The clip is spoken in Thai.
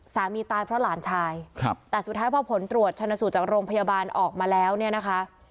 ตายเพราะหลานชายครับแต่สุดท้ายพอผลตรวจชนะสูตรจากโรงพยาบาลออกมาแล้วเนี่ยนะคะ